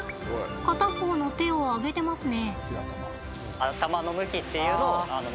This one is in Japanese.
片方の手を上げてますね。